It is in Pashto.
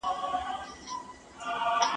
¬ د نورو ديد د بادينزي گومان.